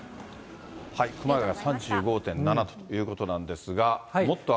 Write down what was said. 熊谷が３５．７度ということなんですが。